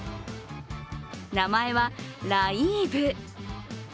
名前はライーブ。